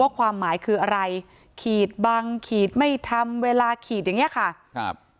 ความหมายคืออะไรขีดบังขีดไม่ทำเวลาขีดอย่างเงี้ยค่ะครับ